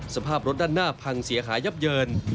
สภาพรถด้านหน้าพังเสียหายยับเยิน